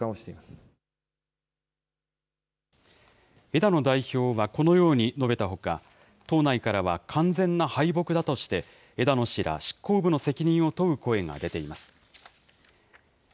枝野代表はこのように述べたほか、党内からは完全な敗北だとして、枝野氏ら執行部の責任を問う声が出ています。